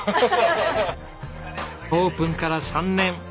オープンから３年。